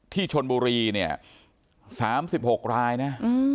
ที่ชนบุรี๓๖รายนะ